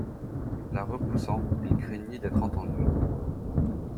La repoussant, il craignit d'être entendu.